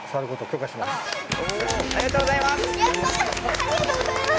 ありがとうございます！